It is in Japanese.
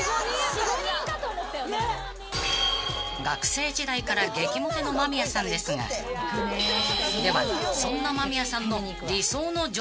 ［学生時代から激モテの間宮さんですがではそんな間宮さんの］